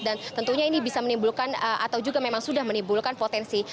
dan tentunya ini bisa menimbulkan atau juga memang sudah menimbulkan potensi